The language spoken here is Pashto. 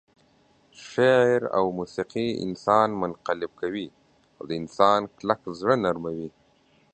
شعر او موسيقي انسان منقلب کوي او د انسان کلک زړه نرموي.